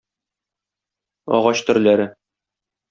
Агач төрләре